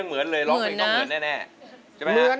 อ๋องงง